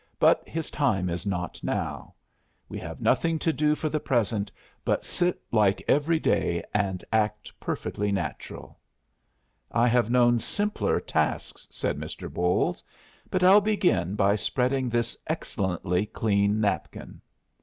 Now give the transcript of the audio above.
"But his time is not now. We have nothing to do for the present but sit like every day and act perfectly natural." "I have known simpler tasks," said Mr. Bolles, "but I'll begin by spreading this excellently clean napkin."